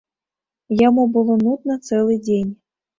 Яму было нудна цэлы дзень.